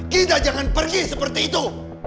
kita jangan pergi seperti itu